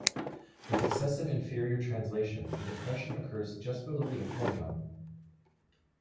With excessive inferior translation, a depression occurs just below the acromion.